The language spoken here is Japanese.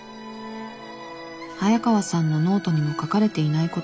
早川さんのノートにも書かれていないことがある。